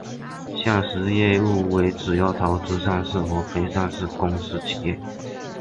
现时业务为主要投资上市和非上市公司企业。